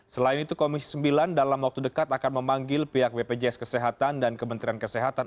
selain itu komisi sembilan dalam waktu dekat akan memanggil pihak bpjs kesehatan dan kementerian kesehatan